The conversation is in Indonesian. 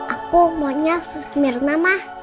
aku maunya sus mirna mbak